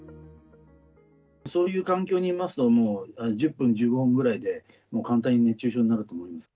そういう環境にいますと、１０分、１５分ぐらいで、もう簡単に熱中症になると思います。